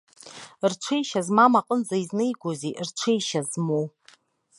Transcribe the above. Рҽеишьа змам аҟынӡа изнеигозеи рҽеишьа змоу?